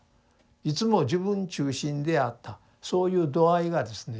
いつも自分中心であったそういう度合いがですね